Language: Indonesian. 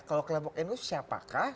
kalau kelompok nu siapakah